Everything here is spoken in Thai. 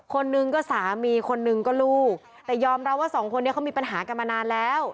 คนหนึ่งก็สามีคนนึงก็ลูกแต่ยอมรับว่าสองคนนี้เขามีปัญหากันมานานแล้ว